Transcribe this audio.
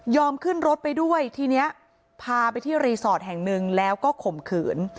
ขึ้นรถไปด้วยทีนี้พาไปที่รีสอร์ทแห่งหนึ่งแล้วก็ข่มขืน